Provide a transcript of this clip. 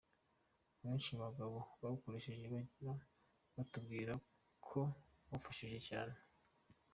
Abenshi mu bagabo bawukoresheje bagiye batubwira ko wabafashije cyane.